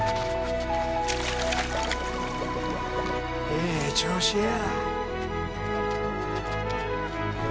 ええ調子や。